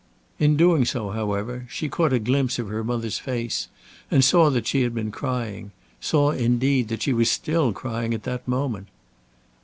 In doing so, however, she caught a glimpse of her mother's face, and saw that she had been crying, saw, indeed, that she was still crying at that moment.